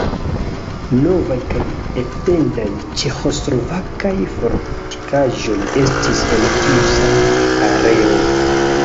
Novaj kaj etendaj ĉeĥoslovakaj fortikaĵoj estis en tiu sama areo.